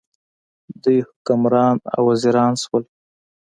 دوی حکمران او وزیران شول.